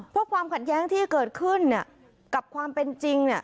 เพราะความขัดแย้งที่เกิดขึ้นกับความเป็นจริง